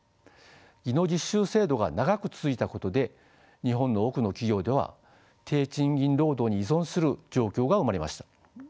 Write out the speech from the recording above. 技能実習制度が長く続いたことで日本の多くの企業では低賃金労働に依存する状況が生まれました。